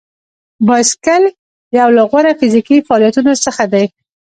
بایسکل یو له غوره فزیکي فعالیتونو څخه دی.